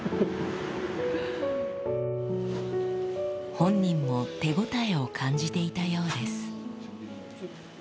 本人も手応えを感じていたようです